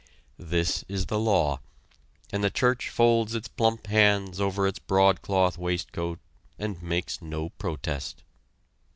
This is the law, and the church folds its plump hands over its broadcloth waistcoat and makes no protest!